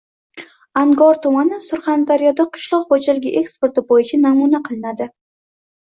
Angor tumani Surxondaryoda qishloq xo‘jaligi eksporti bo‘yicha namuna qilinadi